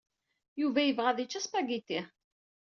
Yuba yebɣa ad yečč aspagiti.